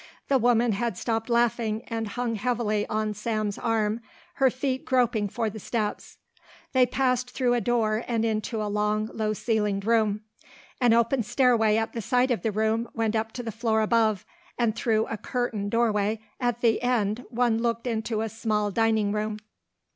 The woman had stopped laughing and hung heavily on Sam's arm, her feet groping for the steps. They passed through a door and into a long, low ceilinged room. An open stairway at the side of the room went up to the floor above, and through a curtained doorway at the end one looked into a small dining room.